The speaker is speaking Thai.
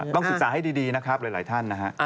ต้องศึกษาให้ดีนะครับหลายท่านนะฮะ